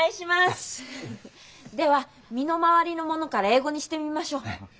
では身の回りのものから英語にしてみましょう。